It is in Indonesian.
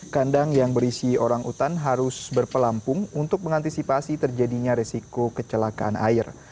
kandang yang berisi orang utan harus berpelampung untuk mengantisipasi terjadinya resiko kecelakaan air